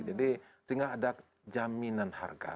jadi tinggal ada jaminan harga